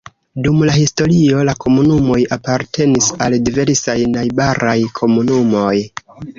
Dum la historio la komunumoj apartenis al diversaj najbaraj komunumoj.